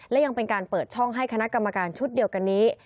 และยังเป็นการเปิดช่องให้คณะกรรมการชุดเดียวกันนี้